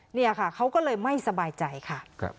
เนี่ยค่ะเขาก็เลยไม่สบายใจค่ะ